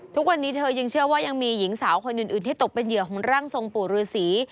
ทุกวันนี้เธอยังเชื่อว่ายังมีหญิงสาวคนอื่นที่ตกเป็นเหยื่อของร่างทรงปู่ฤษี